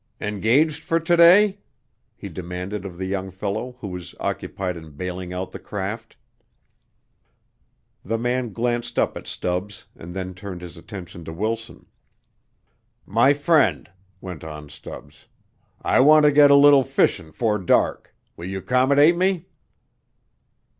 "Engaged for to day?" he demanded of the young fellow who was occupied in bailing out the craft. The man glanced up at Stubbs and then turned his attention to Wilson. "My friend," went on Stubbs, "I want to get a little fishin' 'fore dark. Will you 'commodate me?"